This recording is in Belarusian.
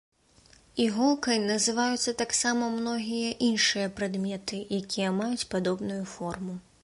Іголкай называюцца таксама многія іншыя прадметы, якія маюць падобную форму.